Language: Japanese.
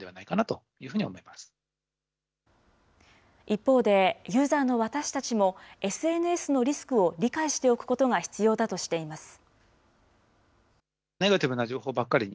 一方で、ユーザーの私たちも、ＳＮＳのリスクを理解しておくことが必要だとしています。